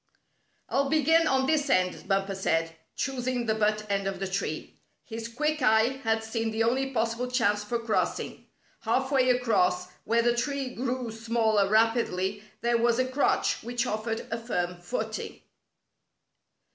" I'll begin on this end," Bumper said, choos ing the butt end of the tree. His quick eye had seen the only possible chance for crossing. Half way across, where the tree grew smaller rapidly, there was a crotch which offered a firm footing.